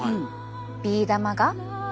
ビー玉が。